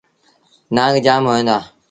نآنگ جآم هوئين دآ۔